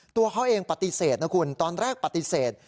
ตัวเขาเองปฏิเสธนะคุณตอนแรกปฏิเสธ